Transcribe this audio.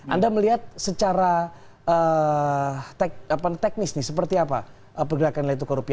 anda melihat secara teknis nih seperti apa pergerakan nilai tukar rupiah